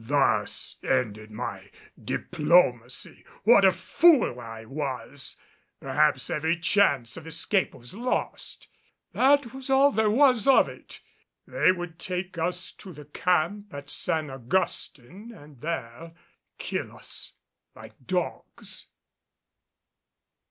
Thus ended my diplomacy! What a fool I was; perhaps every chance of escape was lost. That was all there was of it. They would take us to the camp at San Augustin and there kill us like dogs.